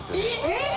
えっ！？